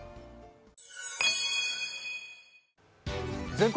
「全国！